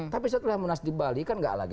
tapi setelah munas di bali kan nggak lagi